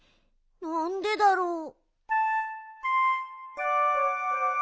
なんでだろう？